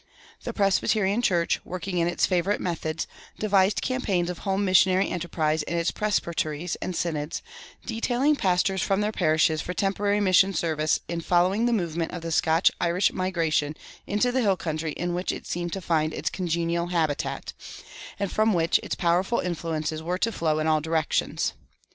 The Presbyterian Church, working in its favorite methods, devised campaigns of home missionary enterprise in its presbyteries and synods, detailing pastors from their parishes for temporary mission service in following the movement of the Scotch Irish migration into the hill country in which it seemed to find its congenial habitat, and from which its powerful influences were to flow in all directions.